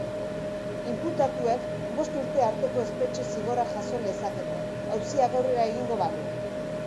Inputatuek bost urte arteko espetxe zigorra jaso lezakete, auziak aurrera egingo balu.